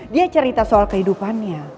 dia cerita soal kehidupannya